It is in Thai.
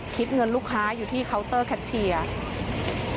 คิดเงินลูกค้าอยู่ที่เคาน์เตอร์แคชเชียร์